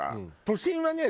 都心はね